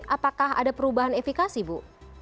apakah ada perubahan efikasi bu